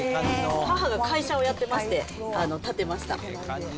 母が会社をやってまして、建てました。